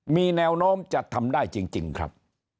มีแนวโน้มจะทำได้จริงครับ